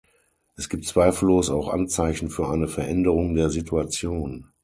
Es gibt zweifellos auch Anzeichen für eine Veränderung der Situation.